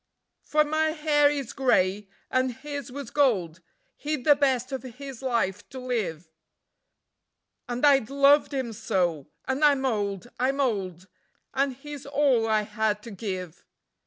For my hair is grey, and his was gold; he'd the best of his life to live; And I'd loved him so, and I'm old, I'm old; and he's all I had to give.